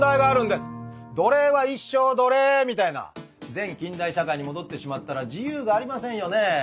前近代社会に戻ってしまったら自由がありませんよねえ。